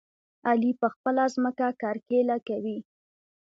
علي په خپله ځمکه کرکيله کوي.